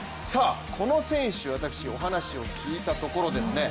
この選手、私、お話を聞いたところですね